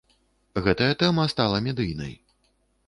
Гэтая тэма стала медыйнай.